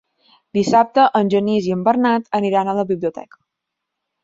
Dissabte en Genís i en Bernat aniran a la biblioteca.